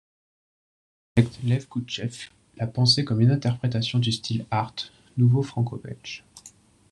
L'architecte Lev Kekouchev l'a pensée comme une interprétation du style Art nouveau franco-belge.